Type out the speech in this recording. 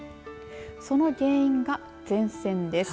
その原因が前線です。